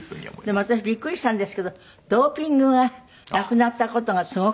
でも私ビックリしたんですけどドーピングがなくなった事がすごく。